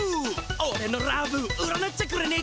オレのラブ占っちゃくれねえか。